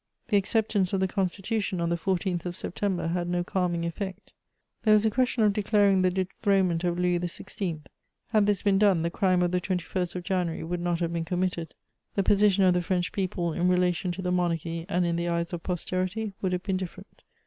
The acceptance of the Constitution, on the 14th of September, had no calming effect. There was a question of declaring the dethronement of Louis XVI.; had this been done, the crime of the 21st of January would not have been committed; the position of the French people in relation to the monarchy and in the eyes of posterity would have been different.